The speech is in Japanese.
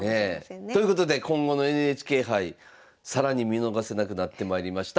ねえ。ということで今後のＮＨＫ杯更に見逃せなくなってまいりました。